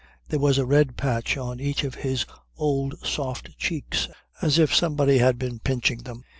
There was a red patch on each of his old soft cheeks as if somebody had been pinching them.